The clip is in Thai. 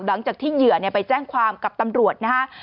หลังจากที่เหยื่อไปแจ้งความกับตำรวจนะฮะ